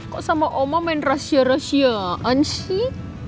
kok sama oma main rasiah rasiaan sih